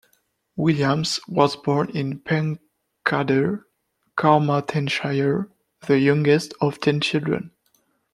Williams was born in Pencader, Carmarthenshire, the youngest of ten children.